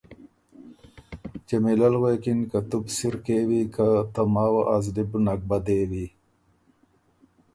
جمیلۀ ل غوېکِن که تُو بو سِر کېوی که ته ماوه ا زلی بو نک بدېوی۔